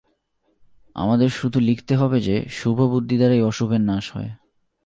আমাদের শুধু লিখতে হবে যে, শুভ বুদ্ধি দ্বারাই অশুভের নাশ হয়।